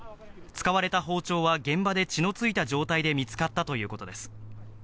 使われた包丁は現場で血のついた状態で見つかったということです。